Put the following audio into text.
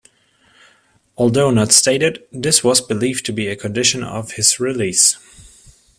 Although not stated, this was believed to be a condition of his release.